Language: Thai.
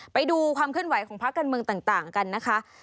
ไปดูความเคลื่อนไหวของพักการเมืองต่างกันนะคะ